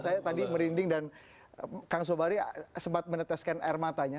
saya tadi merinding dan kang sobari sempat meneteskan air matanya